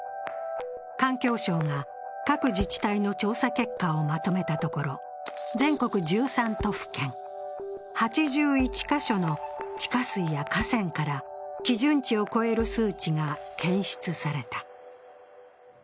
環境省が各自治体の調査結果をまとめたところ、全国１３都府県、８１か所の地下水や河川から基準値を超える数値が検出された。